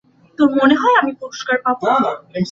তোর মনে হয় আমি পুরস্কার পাব?